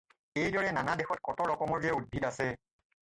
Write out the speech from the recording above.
এই দৰে নানা দেশত কত ৰকমৰ যে উদ্ভিদ আছে